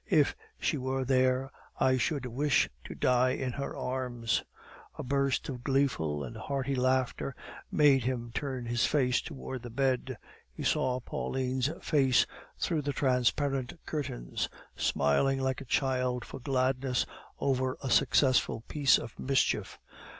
"If she were there, I should wish to die in her arms." A burst of gleeful and hearty laughter made him turn his face towards the bed; he saw Pauline's face through the transparent curtains, smiling like a child for gladness over a successful piece of mischief.